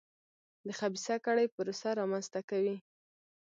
د خبیثه کړۍ پروسه رامنځته کوي.